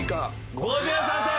５３点！